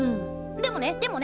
でもねでもね